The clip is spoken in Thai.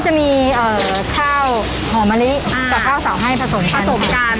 จะมีข้าวหอมมะลิกับข้าวเสาให้ผสมผสมกัน